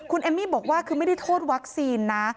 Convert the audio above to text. คุณเอมมี่บอกว่าคือไม่ได้โทษวัคซีนนะ